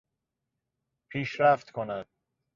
پیشرفت کند